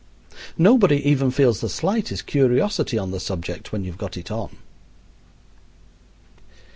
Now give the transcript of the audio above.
Nobody even feels the slightest curiosity on the subject when you've got it on.